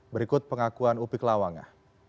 berikut pengakuan upik lawanga